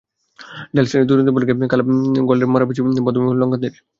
Del স্টেইনের দুর্দান্ত বোলিংয়ে কাল গলের মরা পিচ বধ্যভূমি হলো লঙ্কানদের।